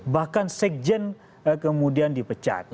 bahkan sekjen kemudian dipecat